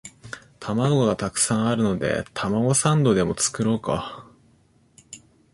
玉子がたくさんあるのでたまごサンドでも作ろうか